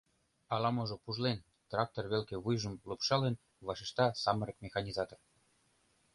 — Ала-можо пужлен, — трактор велке вуйжым лупшалын, вашешта самырык механизатор.